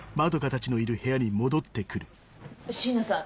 椎名さん